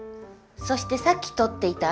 そしてさっき撮っていた